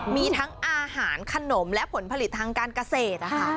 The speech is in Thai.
มีทั้งอาหารขนมและผลผลิตทางการเกษตร